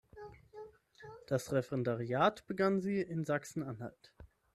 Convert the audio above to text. Das Referendariat begann sie in Sachsen-Anhalt.